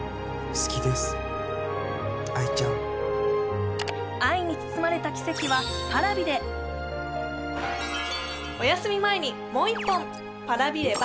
好きです愛ちゃん愛に包まれた奇跡はＰａｒａｖｉでおやすみ前にもう一本Ｐａｒａｖｉれば